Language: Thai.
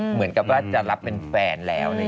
เหมือนว่าจะรับเป็นแฟน